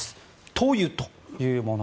塗油というもの。